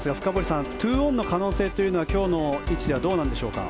さん２オンの可能性というのは今日の位置ではどうなんでしょうか。